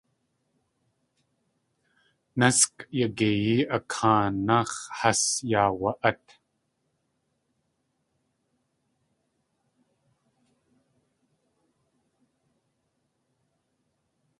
Násʼk yagiyee a kaanáx̲ has yaawa.át.